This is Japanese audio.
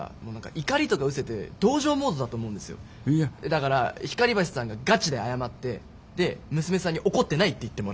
だから光橋さんがガチで謝ってで娘さんに「怒ってない」って言ってもらう。